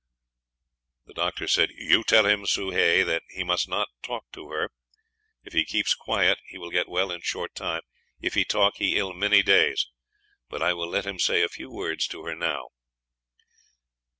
"You tell him, Soh Hay, that he must not talk to her," the doctor said. "If he keeps quiet, he will get well in short time: if he talk, he ill many days; but I will let him say a few words to her now."